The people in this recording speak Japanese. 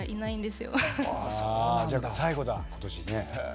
じゃあ最後だ今年ね。